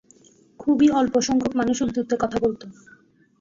খুবই অল্প সংখ্যক মানুষ উর্দুতে কথা বলতো।